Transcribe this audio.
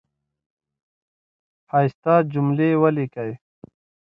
ښایسته جملی ولیکی